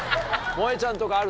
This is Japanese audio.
もえちゃんとかある？